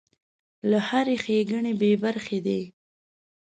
له هرې ښېګڼې بې برخې دی.